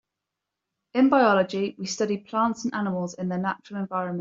In biology we study plants and animals in their natural environment.